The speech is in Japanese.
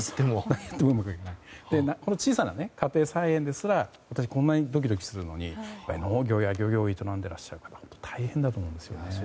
この小さな家庭菜園ですらこんなにドキドキするのに農業や漁業を営んでいる方は大変ですよね。